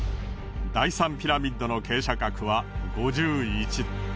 第３ピラミッドの傾斜角は５１度。